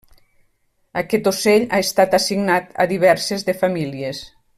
Aquest ocell ha estat assignat a diverses de famílies.